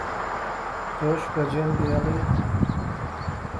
تۆش بەجێم دێڵی